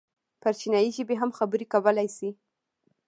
پر چينايي ژبې هم خبرې کولی شي.